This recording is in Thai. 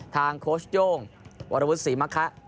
ทางโคชโยงวรวุฒิสีมะคะ